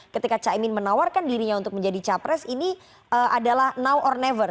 ketika caimin menawarkan dirinya untuk menjadi capres ini adalah now or never